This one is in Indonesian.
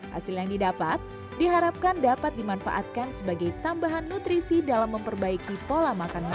hasil yang didapat diharapkan dapat dimanfaatkan sebagai tambahan nutrisi dalam memperbaiki pola makan mereka